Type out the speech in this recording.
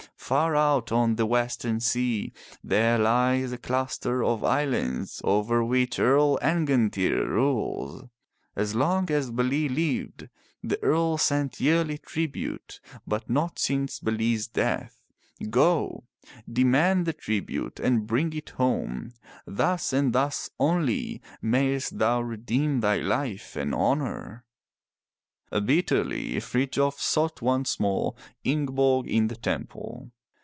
Far out on the western sea there lies a cluster of islands over which Earl An'gan tyr rules. As long as Bele lived the earl sent yearly tribute, but not since Bele's death. Go! demand the tribute and bring it home. Thus and thus only mayest thou redeem thy life and honor.'' Bitterly Frithjof sought once more Ingeborg in the temple.